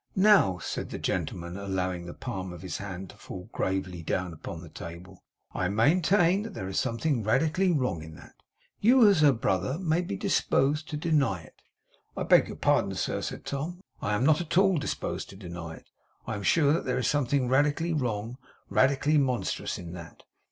Now,' said the gentleman, allowing the palm of his hand to fall gravely down upon the table: 'I maintain that there is something radically wrong in that! You, as her brother, may be disposed to deny it ' 'I beg your pardon, sir,' said Tom. 'I am not at all disposed to deny it. I am sure that there is something radically wrong; radically monstrous, in that.